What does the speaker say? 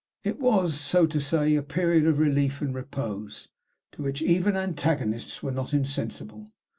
It was, so to say, a period of relief and repose, to which even antagonists were not insensible.